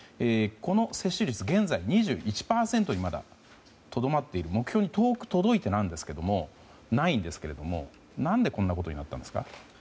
この接種率、現在２１％にとどまっている目標に遠く届いていないんですが何でこんなことになったんですか？